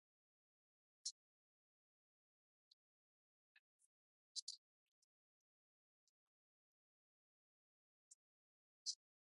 Centās realizēt ekonomiskas reformas, kuras veica ar ārvalstu aizņēmumu palīdzību.